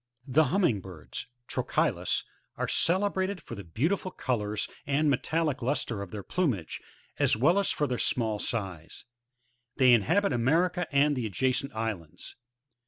7. The HuMMiNG BiRDS, — Trochilvs^ — (Plate 3, fig. IL) are celebrated for the beautiful colours and metallk) lustre of their plumage, as well as for their small size ; they inhabit America and the adjacent islands.